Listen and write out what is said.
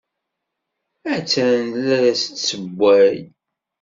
Attan la as-d-tessewway.